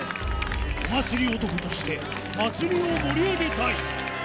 お祭り男として、祭りを盛り上げたい。